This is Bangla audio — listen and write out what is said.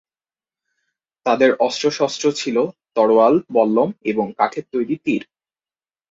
তাদের অস্ত্রশস্ত্র ছিল তরোয়াল, বল্লম এবং কাঠের তৈরি তীর।